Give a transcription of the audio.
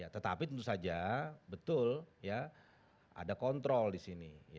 tetapi tentu saja betul ya ada kontrol di sini